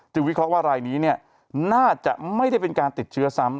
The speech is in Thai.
วิเคราะห์ว่ารายนี้น่าจะไม่ได้เป็นการติดเชื้อซ้ำ